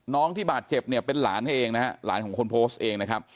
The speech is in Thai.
ที่บาดเจ็บเนี่ยเป็นหลานเองนะฮะหลานของคนโพสต์เองนะครับ